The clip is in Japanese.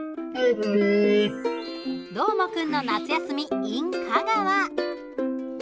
「どーもくんの夏休みｉｎ香川」。